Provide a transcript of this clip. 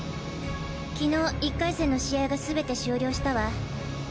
昨日１回戦の試合がすべて終了したわ。